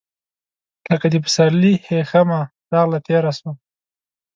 لکه د پسرلي هیښمه راغله، تیره سوه